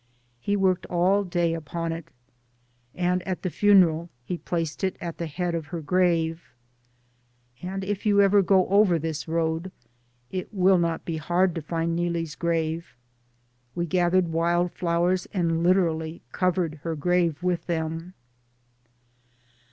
He worked all day upon it, and at the funeral he placed it at the head of her grave, and if you ever go over this road it will not be hard to find Neelie's grave. We gathered wild flowers and literally covered her grave with them.